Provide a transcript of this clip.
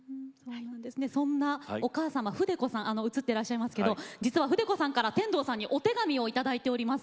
そんなお母様筆子さん映ってらっしゃいますけど実は筆子さんから天童さんにお手紙を頂いております。